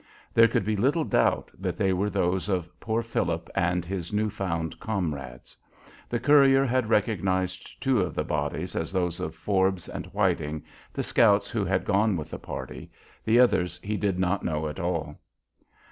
There could be little doubt that they were those of poor Philip and his new found comrades. The courier had recognized two of the bodies as those of Forbes and Whiting, the scouts who had gone with the party; the others he did not know at all.